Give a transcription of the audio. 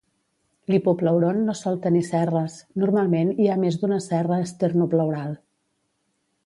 L'hipopleuron no sol tenir cerres; normalment hi ha més d'una cerra esternopleural.